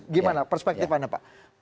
gimana perspektif anda pak